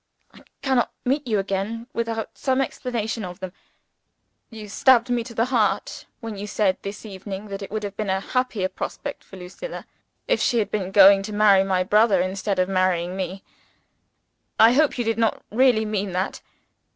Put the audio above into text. I cannot meet you again without some explanation of them. You stabbed me to the heart, when you said this evening that it would be a happier prospect for Lucilla if she had been going to marry my brother instead of marrying me. I hope you did not really mean that?